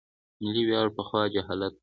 ملي ویاړ پخوا جهالت و.